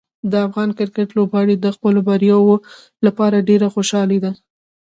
د افغان کرکټ لوبغاړي د خپلو بریاوو لپاره ډېر خوشحاله دي.